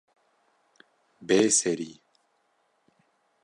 Bê Serî